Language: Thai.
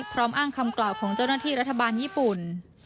พร้อมอ้างคำกล่าวของเจ้าหน้าที่รัฐบาลญี่ปุ่น